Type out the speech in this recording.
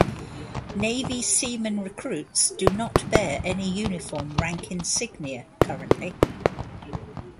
Navy seaman recruits do not bear any uniform rank insignia currently.